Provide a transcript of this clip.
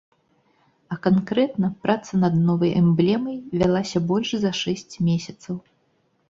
А канкрэтна праца над новай эмблемай вялася больш за шэсць месяцаў.